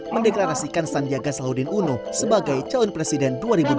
mendeklarasikan sandiaga salahuddin uno sebagai calon presiden dua ribu dua puluh